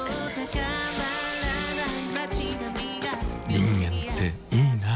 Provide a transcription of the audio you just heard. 人間っていいナ。